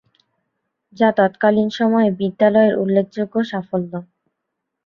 যা তৎকালীন সময়ে বিদ্যালয়ের উল্লেখযোগ্য সাফল্য।